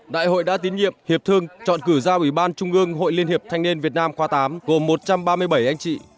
đại hội đã tín nhiệm hiệp thương chọn cử ra ủy ban trung ương hội liên hiệp thanh niên việt nam khoa tám gồm một trăm ba mươi bảy anh chị